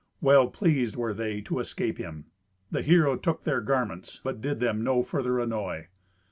Well pleased were they to escape him. The hero took their garments, but did them no further annoy.